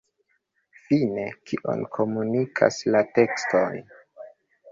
Fine, kion komunikas la tekstoj?